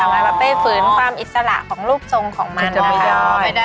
แล้วเราไปฝืนความอิสระของรูปทรงของมันนะคะ